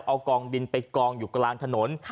เอากองดินไปกองอยู่กลางถนน